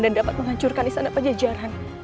dan dapat menghancurkan istana pajajaran